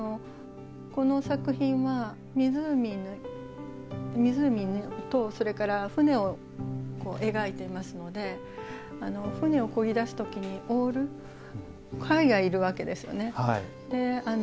この作品は湖とそれから舟を描いていますので舟をこぎだすときにオールかいがいるわけですよね。